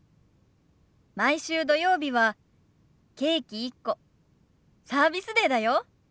毎週土曜日はケーキ１個サービスデーだよ。